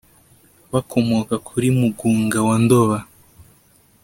bakomoka kuri mugunga wandoba